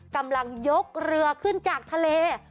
กำลังยกเรือขึ้นจากทะเล